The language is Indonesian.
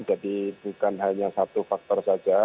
jadi bukan hanya satu faktor saja